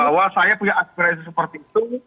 bahwa saya punya aspirasi seperti itu